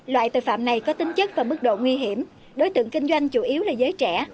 loại tội phạm này có tính chất và mức độ nguy hiểm đối tượng kinh doanh chủ yếu là giới trẻ